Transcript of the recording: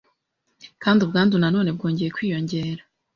Kandi ubwandu nanone bwongeye kwiyongera